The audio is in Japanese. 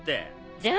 じゃあ。